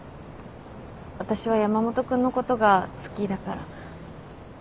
私は山本君のことが好きだから。